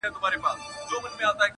ستا په مخ کي دروغ نه سمه ویلای-